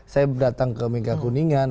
saya datang ke mingga kuningan